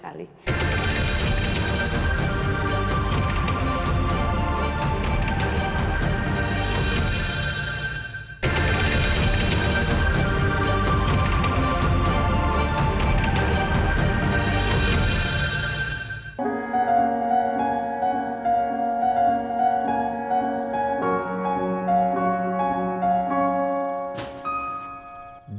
kepala pembangunan kepala pembangunan